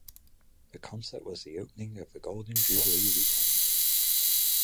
The concert was the opening of the Golden Jubilee Weekend.